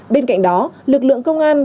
bên cạnh đó lực lượng công an